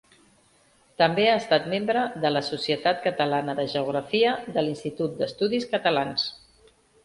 També ha estat membre de la Societat Catalana de Geografia de l'Institut d'Estudis Catalans.